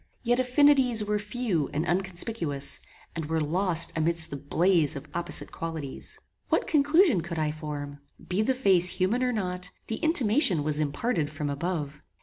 Yet affinities were few and unconspicuous, and were lost amidst the blaze of opposite qualities. What conclusion could I form? Be the face human or not, the intimation was imparted from above.